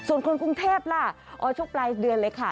ส่วนคนกรุงเทพฯช่วงปลายดื่นเลยค่ะ